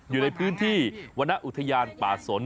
อยู่ในพื้นที่วรรณอุทยานป่าสน